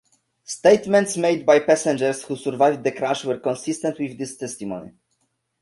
Statements made by passengers who survived the crash were consistent with this testimony.